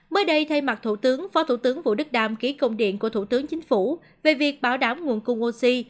mới đây thay mặt thủ tướng phó thủ tướng vũ đức đam ký công điện của thủ tướng chính phủ về việc bảo đảm nguồn cung oxy